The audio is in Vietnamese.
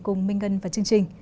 cùng minh ngân và chương trình